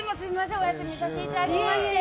お休みさせていただきまして。